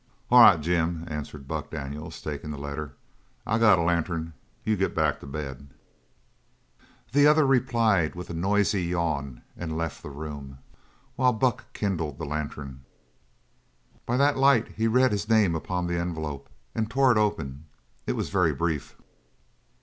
"All right, Jim," answered Buck Daniels, taking the letter. "I got a lantern. You get back to bed." The other replied with a noisy yawn and left the room while Buck kindled the lantern. By that light he read his name upon the envelope and tore it open. It was very brief.